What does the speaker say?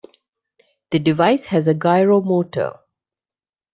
The device has a gyro motor.